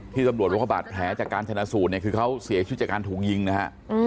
ตำรวจบอกว่าบาดแผลจากการชนะสูตรเนี่ยคือเขาเสียชีวิตจากการถูกยิงนะฮะ